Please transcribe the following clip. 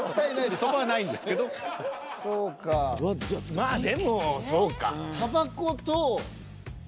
まあでもそうか。